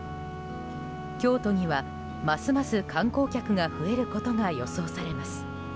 京都には、ますます観光客が増えることが予想されます。